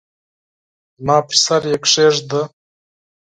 زما پر سر یې کښېږده !